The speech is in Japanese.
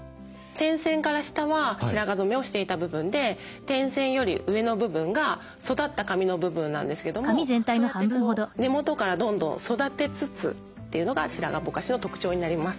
点線から下は白髪染めをしていた部分で点線より上の部分が育った髪の部分なんですけどもそうやって根元からどんどん育てつつというのが白髪ぼかしの特徴になります。